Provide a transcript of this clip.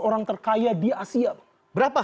orang terkaya di asia berapa